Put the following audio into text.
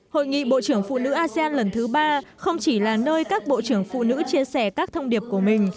hội nghị bộ trưởng phụ nữ asean lần thứ ba không chỉ là nơi các bộ trưởng phụ nữ chia sẻ các thông điệp của mình